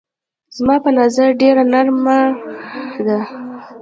زما په نظر ډېره نرمه ده.